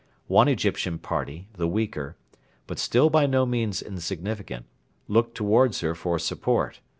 One Egyptian party, the weaker, but still by no means insignificant, looked towards her for support.